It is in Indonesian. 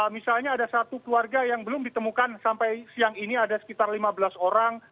misalnya ada satu keluarga yang belum ditemukan sampai siang ini ada sekitar lima belas orang